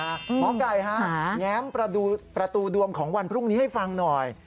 หมอไก่ฮะแง้มประตูดวงของวันพรุ่งนี้ให้ฟังหน่อย